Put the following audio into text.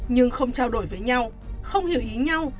nhưng không trao đổi với nhau không hiểu ý nhau